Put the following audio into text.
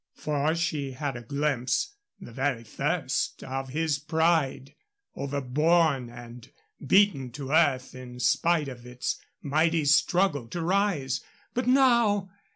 For she had a glimpse the very first of his pride overborne and beaten to earth in spite of its mighty struggle to rise. But now!